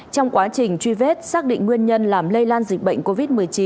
trong quá trình truy vết xác định nguyên nhân làm lây lan dịch bệnh covid một mươi chín